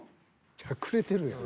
しゃくれてるやん。